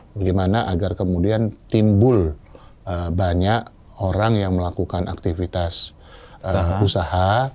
bagaimana agar kemudian timbul banyak orang yang melakukan aktivitas usaha